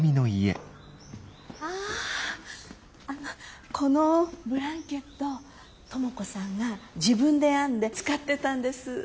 あああのこのブランケット知子さんが自分で編んで使ってたんです。